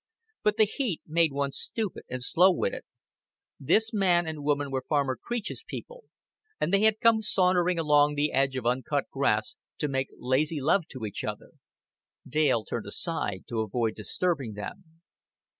But the heat made one stupid and slow witted. This man and woman were farmer Creech's people, and they had come sauntering along the edge of uncut grass to make lazy love to each other. Dale turned aside to avoid disturbing them.